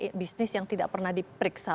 ini adalah bisnis yang tidak pernah dipercaya